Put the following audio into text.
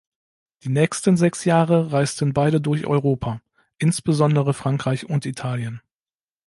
Die nächsten sechs Jahre reisten beide durch Europa, insbesondere Frankreich und Italien.